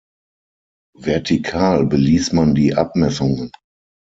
Vertikal beließ man die Abmessungen.